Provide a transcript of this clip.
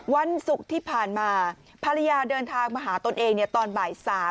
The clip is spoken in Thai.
วันศุกร์ที่ผ่านมาภรรยาเดินทางมาหาตนเองตอนบ่าย๓